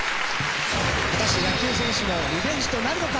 果たして野球選手のリベンジとなるのか。